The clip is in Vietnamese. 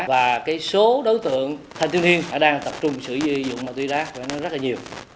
và số đối tượng thanh niên hiện đang tập trung sử dụng ma túy đá rất là nhiều